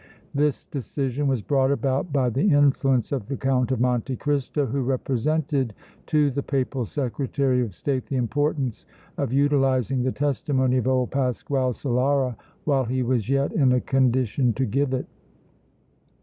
This decision was brought about by the influence of the Count of Monte Cristo, who represented to the Papal Secretary of State the importance of utilizing the testimony of old Pasquale Solara while he was yet in a condition to give it.